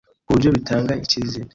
ku buryo bitanga icyizere